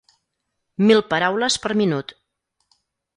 Mil paraules per minut.